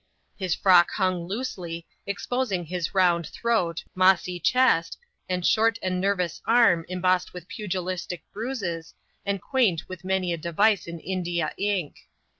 His rock hung loosely, exposing his round throat, mossy chest, and hort and nervous arm embossed with pugilistic bruises, and [uaint with many a device in Lidia ink.